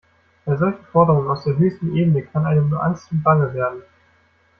Bei solchen Forderungen aus der höchsten Ebene kann einem nur angst und bange werden.